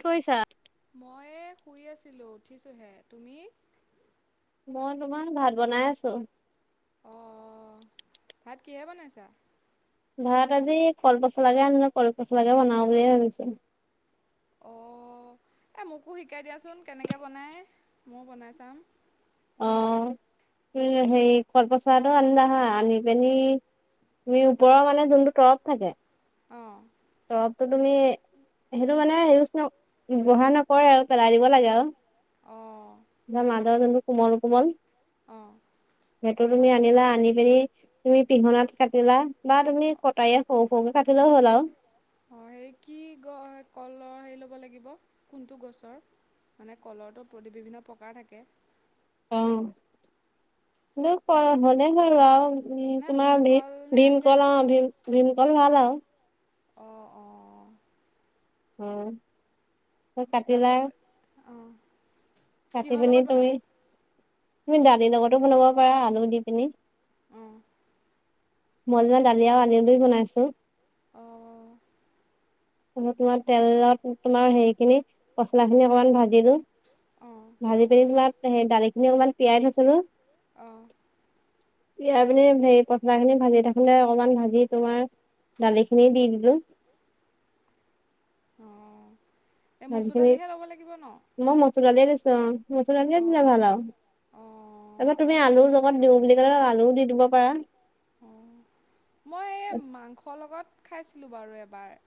থৈছা। মই শুই আছিলো উঠিছোহে, তুমি? মই তোমাৰ ভাত বনাই আছো। অ', ভাত কিহে বনাইছা? ভাত আজি কল পচলা কে আনিলো কল পচলাগে বনাও বুলিয়ে ভাবিছো। অ', এই মোকো শিকাই দিয়াচোন কেনেকৈ বনাই ময় বনাই চাম। অ, উ হেৰি কলপচাৰো আনধা হা আনি পিনি তুমি ওপৰৰ মানে যোনটো তৰফ থাকে অ'। তৰবটো তুমি সেইটো মানে হে বঢ়া নকৰে আৰু পেলাই দিব লাগে আৰু। ধাৰ মাজত যোনো কোমল কোমল অ'। সেইটো তুমি আনিলা আনি পিনি তুমি পিহনাত কাটিলা বা তুমি কটাৰীয়ে সৰু সৰুকে কাট লা হ'ল আও। অ সে কি কলৰ হেৰি ল'ব লাগিব কোনটো গছৰ? মানে কলৰটো প্ৰতি বিভিন্ন প্ৰকাৰ থাকে। অ', কি হলে হ আৰু উম তোমাৰ ভীম ভীমকল অ ভীম ভীমকল ভাল আৰু। হম। তাৰপিছত অ কাটি পিনি তুমি তুমি দালিৰ লগতো বনাব পাৰা আলু দি পিনি। মই, দালি আলু দিবনাইছো। অ'। তোমাৰ তেলত, তোমাৰ হেৰিখিনি পচলা খিনি অকমান ভাজিলো। ভাজি পিনি, তোমাৰ সেই দালিখিনি অকমান তিয়াই থৈছিলো। অ'। তিয়াইপিনি, সেৰি পচলা খিনি ভাজি থাকোতে, অকমান ভাজি তোমাৰ দালিখিনি দি দিলো। অহ, ভাজিখিনি, তোমৰ মছলা দিয়ে দিছো। মছলা দিলে ভাল আৰু তাৰপৰা তুমি আলু জগত দিও বুলি আলুও দি দিব পাৰা। অ, মই এই মাংসৰ লগত খাইছিলোঁ বাৰু এবাৰ।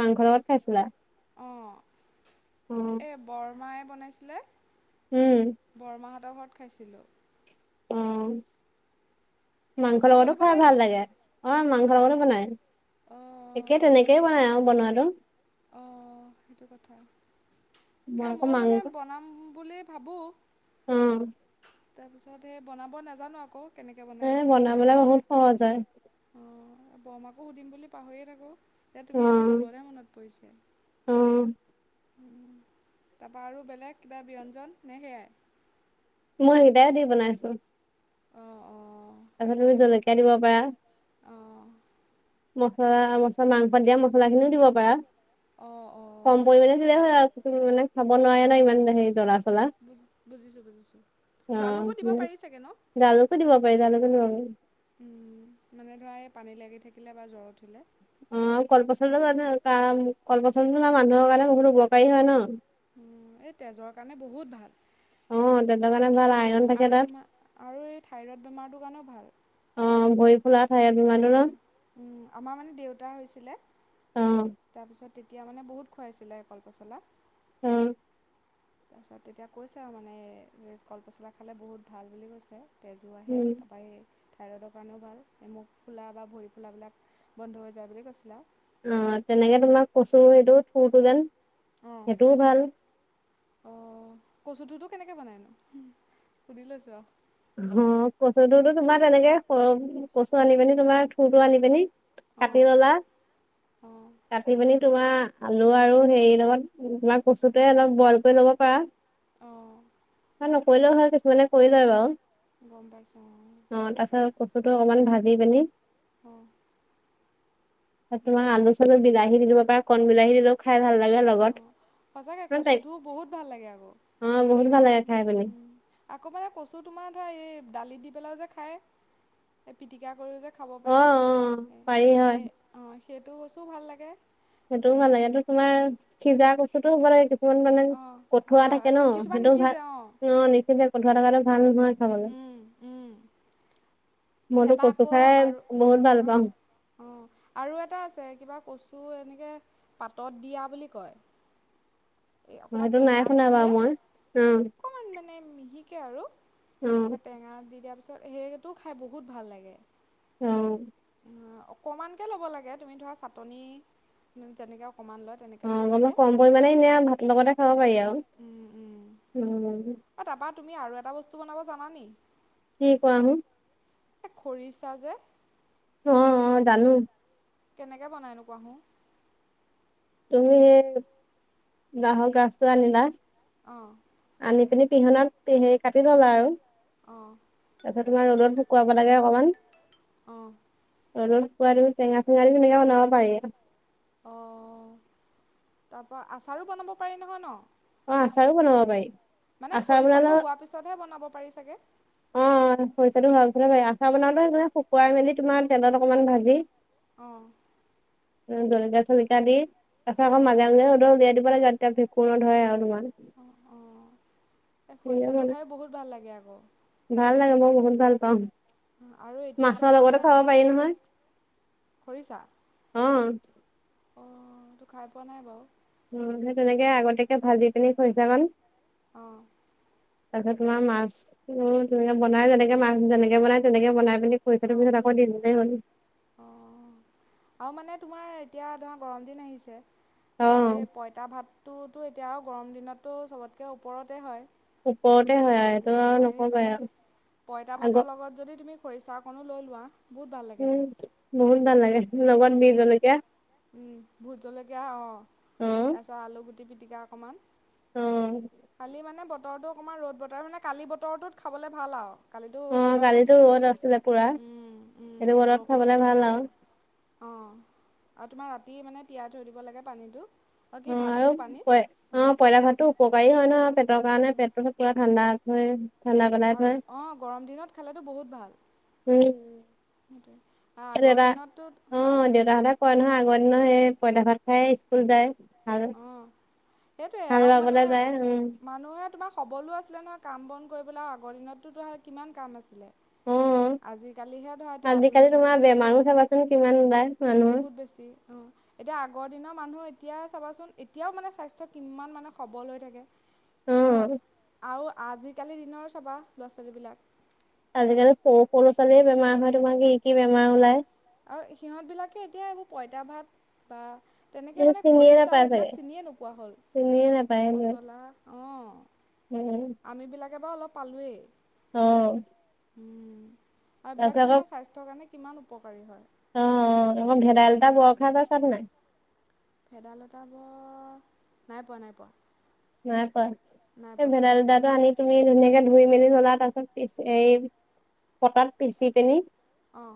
মাংসৰ লগত খাইছিলা। অ, এ বৰমাই বনাইছিলে। বৰমাহতৰ ঘৰত খাইছিলোঁ। উম। মাংস লগতটো খাই ভাল লাগে, অ' মাংস লগতো বনাই। একে তেনেকেই, বনাই আৰু বনোৱাটো। অ, সেইটো কথা, এ, ময়ো মানে বনাম বুলি ভাবো। উম। পিচে সেই বনাব নাজানো আকৌ। এ, বনাবলে বহুত সহজ হয়। অ' বৰমাকো সুধিম বুলি পাহৰিয়ে থাকোঁ। এতিয়া তুমি আজি কলোলে, মনত পৰিছে। উম, তাপা, আৰু বেলেগ কিবা ব্যঞ্জন? নে সেয়াই? মই সটাই দি, বনাইছো। অ', অ'। তাৰপিছত তুমি জলকীয়া দিব পাৰা অ'। মছলা, মছলা মাংসাত দিয়া মছলা খিনিও, দিব পাৰা। কম পৰিমাণে দিলে হয় আৰু কিছু মানে খাব নোৱাৰে ন? ইমান হেৰি জ্বলা, চলা? অ', সেইটোৱে ল, জালুকও দিব পাৰি, জালুকও দিব পাৰি উম, মানে ধৰা এই পানী লাগি থাকিলে, বা জ্বৰ উঠিলে। উম, কলপচলা মানুহৰ কাম, কলপচলা মানুহৰ কাৰণে বহুত উপকাৰী হয় ন। উম, এই তেজৰ কাৰণে বহুত ভাল। আৰু এই, থাইৰইড বেমাৰটোৰ কাৰণেও ভাল। খোলা ঠাই আৰু [unintelligible] আমাৰ মানে দেউতাৰ হৈছিলে, তাৰপিছত তেতিয়া মানে বহুত খুৱাইছিলে কলপচলা। উম। তাৰপিছত তেতিয়া কৈছে আৰু মানে, কলপচলা খালে বহুত ভাল বুলি কৈছে। তেজু আহে, তাৰপৰা থাইৰয়ডক দ কাৰণেও ভাল, মুখ ফুলা বা ভৰি ফুলাবিলাক বন্ধ হৈ যায়, বুলি কৈছিলে আও। অ, তেনেকে তোমাক কচু সেইটো থুৰটো যেন সেইটোও ভাল। কেনেকে বনাইনো, সুধি লৈছো আৰু অ, কচুটোতো তোমাৰ তেনেকে খোৱাম, কচু আনি পানি তোমাৰ থুৰটো আনি পেনি কাটি ললা, কাটি পিনি তোমাৰ আলু আৰু হেৰিৰ লগত তোমাৰ কচুটোয়ে অলপ বইল কৰি লব পাৰা। অঁ, নকৰিলেও হয় কিছুমানে কৰি লয় বাৰু। গম পাইছো অ', কচুতুটো অকণমান ভাজি পিনি অ', তোমাৰ আলু চালু বিলাহী দি দিব পাৰা কণ বিলাহী দিলেও খাই ভাল লাগে লগত। সচাকে কচুঠোৰ বহুত ভাল লাগে আকৌ উ, আকৌ মানে কচু তোমাৰ ধৰা এই দালিত দি পেলাইও যে খাই এই পিটিকা কৰিও যে, খাব পাৰি অ', সেইটো কছুও ভাল লাগে। সেইটোও ভাল লাগেটো তোমাৰ সিজা কচুতও হ'ব লাগে। অকমান মানে কঠুৱা থাকে ন সেইটো ভাল অ' নিখিজে কঠোৱা থকাটো ভাল নহয়। খাবলে। তাৰপা আকৌ আৰু অ-অ আৰু এটা আছে কিবা কচু চু এনেকে পাতত দিয়া বুলি কয়। মইটো নাই শুনাবা মই অ' মিহিকে আৰু তাৰপৰা টেঙা দি দিয়াৰ পিছত সেইটো খাই বহুত ভাল লাগে। অ', অকণমানকৈ ল'ব লাগে তুমি ধৰা চাটনি যেনেকৈ অ' অলপমান কম পৰিমানে এনে ভাতৰ লগতে খাব পাৰি আৰু। উম, তুমি আৰু এটা বস্তু বনাব জানা নি? কি কোৱাসোণ? এ খৰিছা যে, অ-অ জানো। কেনেকে বনাই নো কোৱাচো? তুমি হে বাহৰ গাজটো আনিলা। অ' আনি পিনি পিহনাত হে কাটি ল'লা আৰু। অ', তাৰ তোমাৰ ৰ'দত শুকুৱাব লাগে অকনমান। অ' ৰদত শুকুৱাই লৈ টেঙা-চেঙা দি এনেকে বনাব পাৰিআৰু। অ তাৰ পৰা আচাৰো বনাব পাৰি নহয় ন অ আচাৰো বনাব পাৰি মানে খৰিচাটো হোৱা পিছতহে বনাব পাৰি চাগে পিছত আচাৰ বনাওতে শুকুৱাই মেলি তোমাৰ তেলত অকণমান ভাজি অ' জলকীয়া চলকীয়া দি তাৰ পিছত আকৌ মাজে মাজে ৰদত উলাই দিব লাগে আৰু তেতিয়া ভেকুৰ নধৰে আৰু অ অ এই খৰিচাটো খাই বহুত ভাল লাগে আকৌ ভাল লাগে মই বহুত ভাল পাওঁ মাছৰ লগত খাব পাৰি নহয় অ অ তো খাই পোৱা নাই বাৰু উম সেই তেনেকে আগতীয়াকে ভাজি দি পিনি খৰিছা কন অ তাৰপিছত তোমাৰ মাছটো বনাই যেনেকে মাছ যেনেকে বনাই তেনেকে বনাই পিনি অ বুজিছো অ আৰু মানে তোমাৰ এতিয়া ধৰা গৰম দিন আহিছে আৰু এই পইতা ভাততো তো এতিয়াও গৰম দিনততো চবতকৈ ওপৰতে হয় উম, আৰু সেই পানে পইতা ভাতৰ লগত যদি তুমি খৰিচা কণো লৈ লোৱা উম, লহুল দা ভাল লাগেহ লগত মিক্স জলকীয়া উম পিটিকা অকমান। কালি মানে বত বতৰটো অকমান ৰ'দ বতাহ মানে কালি বতৰটোত খাবলে ভাল, আৰু কালিটো পূৰা ৰ'দ দিছে। উম, উম, বৰষুণৰ বতৰতহে খাব। অ', আৰু তোমাৰ ৰাত ৰাতি মানে তিয়াই থৈ দিব লাগে পানীটো। উম, আৰু পইতা অ', পইতা ভাতটো উপকাৰী হয় ন'। পেটৰ কাৰণে পেটটো ঠাণ্ডা [inaudible] আৰু অ', গৰম দিনত খালেতো বহুত ভাল। সেইটোৱে। এ, দেউতা। অ', দেউতাহঁতে কয় নহয়, আগৰ দিনৰ সেই পইতা ভাত খাইয়ে স্কুল যায়। অ'। সেইটোৱে আৰু মানে মানুহে তোমাৰ সবলো আছিলে নহয়। কাম বন কৰিবলে আগৰ দিনতোটোহে কিমান কাম আছিলে। আজিকালিহে ধৰা এতিয়া আধুনিক যুগ বুলি বহুত বেছি অ', এতিয়া আগৰ দিনৰ মানুহ এতিয়া চাবাচোন এতিয়াও মানে স্বাস্থ্য কিমান মানে সবল হৈ থাকে। ইন' আৰু আজিকালি দিনৰ চাবা ল'ৰা ছোৱালীবিলাক। আজিকালি সৰু সৰু ল'ৰা ছোৱালীয়ে বেমাৰ হয়, তোমাৰ কি উম, আৰু সিহঁতবিলাকে এতিয়া এইবোৰ পইতা ভাত বা তেনেকে মানে খৰিচাহ সেইবিলাক চিনিয়ে নোপোৱা হ'ল। পচলা অ', আমিবিলাকে বাৰু অলপ পালোৱে। অ'। উম, আৰু বিলাকতো ধৰা স্বাস্থ্যৰ কাৰণে কিমান উপকাৰী হয়। অ', অ ভেদাইলতা বৰ খাই পাইছা নাই। ভেদালতা বৰ নাই পোৱা, নাই পোৱা। নাই পোৱা, সেই ভেদাইলটো আনি তুমি ধুনীয়াকে ধুই মেলি থলা, তাৰপিছত পিচি এই পটাত পিচি পেনি অহ।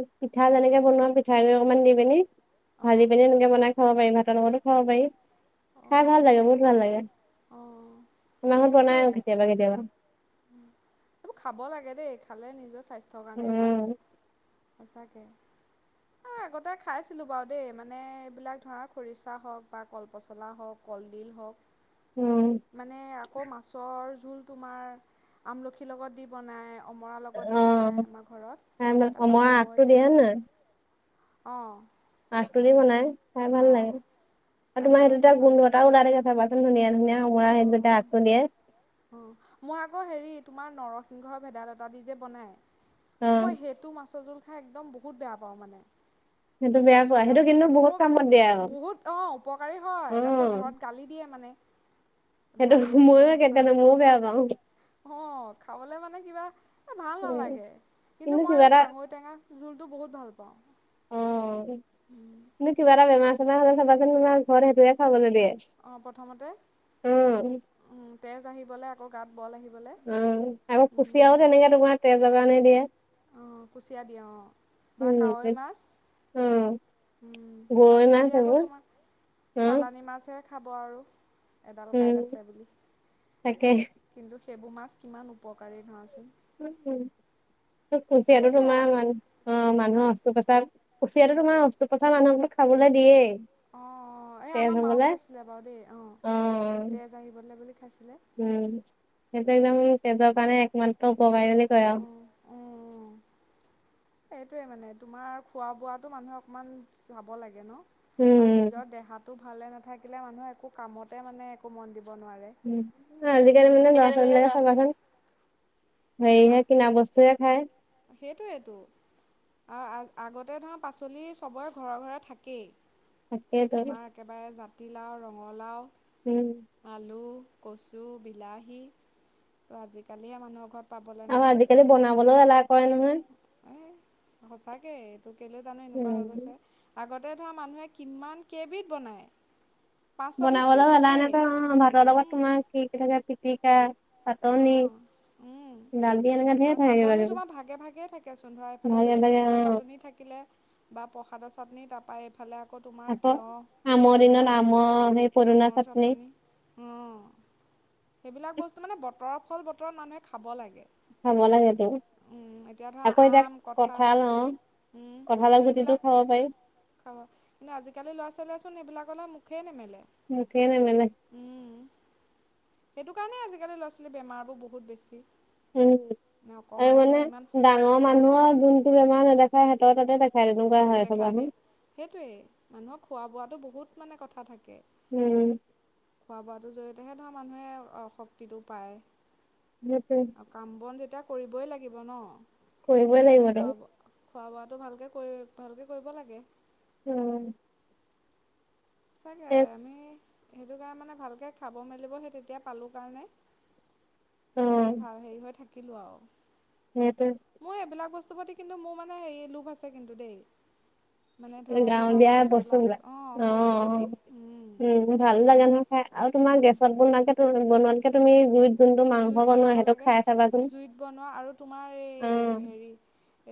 পি-পিঠা যেনেকে বনোৱা পিঠাগুৰি অকণমান দি পেনি ভাজি পেনি এনেকে বনাই খাব পাৰিবা তাৰ লগতো খাব পাৰি। খাই ভাল লাগে বহুত ভাল লাগে। তোমালোক বনাই আৰু কেতিয়াবা কেতিয়াবা। এইবোৰ খাব লাগে দেই। নিজৰ স্বাস্থ্যৰ কাৰণেই ভাল, সঁচাকে। আ, আগতে খাইছিলো বাৰু দেই, মানে এইবিলাক ধৰা খৰিচা হওঁক বা কল পচলা হ'ক, কলডিল হ'ক, মানে আকৌ মাছৰ জোল তোমাৰ আমলখি লগত দি বনাই। অমৰা লগত দি বনাই আমাৰ ঘৰত, তাৰপা চাঙৈটেঙা। অ'। আগটোদি বনাই, খাই ভাল লাগে। আৰু তোমাৰ সেইটোত এটা গোন্ধ এটাও ওলাই থাকে চাবাচোন, ধুনীয়া ধুনীয়া ৱাই [unintelligible] অ', মই আকৌ হেৰি তোমাৰ নৰসিংহ, ভেদাইলতা দি যে বনাই, মই সেইটো মাছৰ জোল খাই একদম বহুত বেয়া পাওঁ মানে। সেইটো বেয়া পোৱা, সেইটো কিন্তু বহুত কাম বহুত অ', উপকাৰী হয়। তাৰপিছত ঘৰত গালি দিয়ে মানে। ভাল বস্তু যে নাখাওঁ। অ', খাবলে মানে কিবা এ, ভাল নালাগে। কিন্তু মই এই চাঙৈটেঙা জোলটো বহুত ভাল অ', তুমি কিবা এটা বেমাৰ-চেমাৰ হ'লে চাবাচোন তোমাৰ ঘৰত সেইটোয়ে খাবলে দিয়ে। অ', প্ৰথমতে। উম, তেজ আহিবলে আকৌ গাত। উম, আকৌ কুচিয়াও তেনেকে তোমাৰ তেজৰ কাৰণে দিয়ে। অ', কুচিয়া দিয়ে অ', বা কাৱৈ মাছ। উম, আজিকালি আকৌ তোমাৰ চালানী মাছ হে। খাব আৰু এডাল কাইট আছে বুলি, কিন্তু সেইবোৰ মাছ কিমান উপকাৰী ধৰাচোন। কুচিয়াতো তোমাৰ মান অ', মানুহৰ অশ্ৰপেচাৰ কুচিয়াতো তোমাৰ অস্তোপোচাৰ মানুহবুলি খাবলৈ দিয়েই। অ', এই আমাৰ মাও খাইছিলে বাৰু দেই, অ', তেজ আহিবলৈ বুলি খাইছি উম, সেইটো একদম তেজৰ কাৰণে একমাত্ৰ উপকাৰিলি কৈয়াও। এইটোয়ে মানে, তোমাৰ খোৱা-বোৱাতো মানুহ অকমান যাব লাগে ন? আৰু নিজৰ দেহাটো ভালে নাথাকিলে মানুহে একো কামতে মানে একো মন দিব উম, আজিকালি মানে ল'ৰা-ছোৱালীবিলাকে চাবাচোন। হেৰি হে, কিনা বস্তুহে খায়। সেইটোৱেটো। অ', আ-আগতে ধৰা পাচলি চবৰে ঘৰে-ঘৰে থাকেই। তোমাৰ একেবাৰে জাতিলাও, ৰঙলাও, আলু কচু, বিলাহী, অ', আজিকালিহে মানুহৰ ঘৰত আৰু আজিকালি বনাবলৈও এলাহ কৰে নহয়। সঁচাকে, এইটো কেলে জানো এনেকুৱা হৈ গৈছে, আগত তে ধৰা মানুহে কিমান কেইবিধ বনায়। বনাবলৈও এলাহ নেকে নহয়, ভাতৰ লগত তোমাৰ কি কি থাকে, পিটিকা চাটনি উম, আৰু চাটনিও তোমাৰ ভাগে ভাগেই থাকেচোন, ধৰা এইফালে যদি বুটৰ চাটনি থাকিলে। বা প্ৰসাদৰ চাটনি, তাৰাপা এই ইফালে আকৌ তোমাৰ তিঁয়হ, বিলাহী, আমৰ চাটনি। সেইবিলাক বস্তু মানে, বতৰৰ ফল বতৰত মানুহে খাব লাগে। খাব লাগেটো। আকৌ এতিয়া কঠাল, অ', কঠালৰ গুটিতো খাব পাৰি। খাব, কিন্তু আজিকালি ল'ৰা-ছোৱালীয়েচোন সেইবিলাকলে মুখে নেমেলে। মুকে নেমেলে। সেইটো কাৰণে আজিকালি ল'ৰা-ছোৱালীৰ বেমাৰবোৰ বহুত বেছি। উম আৰু মানে ডাঙৰ মানুহৰ যোনটো বেমাৰ নেদেখায় সিহতৰ তাতে তাকে দেখাই দিয়ে সেইটোয়েই মানুহক খোৱা বোৱাতো বহুত মানে কথা থাকে। খোৱা বোৱাটোৰ জৰিয়তেহে ধৰা মানুহে শক্তিটো পায়। আৰু কাম বন যেতিয়া কৰিবই লাগিব ন'। কৰিবই লাগিবতো। খোৱা বোৱাটো ভালকে কৰি ভালকে কৰিব লাগে। উম। সঁচাকে আমি সেইটো কাৰণে মানে ভালকে খাব মেলিব সেই তেতিয়া পালো কাৰণে। মানে ভাল হেৰি হৈ থাকিলো আৰু। সেইটোয়ে। [unintelligible] কিন্তু মোৰ মানে হে লোভ আছে কিন্তু দেই। মানে ধৰা এইবোৰ হওক পচলা অ' অ', বস্তু অ', উম ভাল লাগে নহয় খাই আৰু তোমাৰ গেছত বনুৱাকেটো বনাল এতিয়া তুলি জুইত জুইত বনাব লাগে জুইত বনোৱা আৰু তোমাৰ এই হেৰি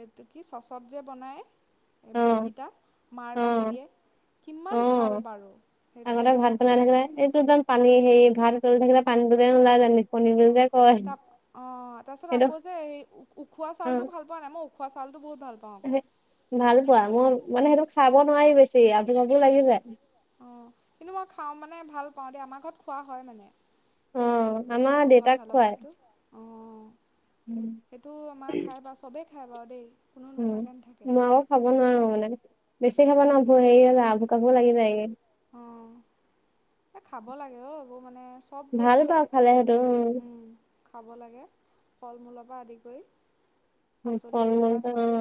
এই কি চচত যে বনায় এই ভাতকেইটা মাৰ কাঢ়ি দিয়ে। অহ আগতে ভাত বনাই থাকিলে এইটো একদম পানী হেৰি ভাত উতলি থাকিলে পানীটো নোলাই জানো? অহ তা অহ তাৰ পিছত আকৌ যে সেই উখোৱা চাউলটো ভাল পোৱা নাই মই উ সেই ভাল পোৱা মই মানে সেইটো খাব নোৱাৰি বেছি আভু জাভু লাগি যায়। অ' কিন্তু মই খাওঁ মানে ভাল পাওঁ দে আমাৰ ঘৰত খোৱা হয় মানে। অহ উখোৱা চাউলৰ ভাতটো অহ সেইটো আমাৰ খাই বাৰু চবে খাই বাৰু উম মই আৰু খাব নোৱাৰো মানে বেছি খাব নোৱাৰো হেৰি আভু কাভু লাগি যায় অহ, এ খাব লাগে অ এইবোৰ মানে ভাল পাওঁ খালে সেইটো উম খাব লাগে ফল মূলৰ পৰা আদি কৰি উম ফল মূলটো অহ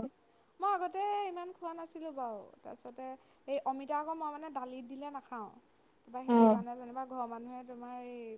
মই আগতে ইমান খোৱা নাছিলো বাৰু তাৰপিছতে এই অমিতা আকৌ মই মানে দালিত দিলে নাখাওঁ বা সেইটো কাৰণে যেনিবা ঘৰৰ মানুহে তোমাৰ এই